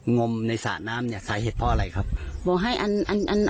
งมในสระน้ำเนี้ยสาเหตุเพราะอะไรครับบอกให้อันอันอัน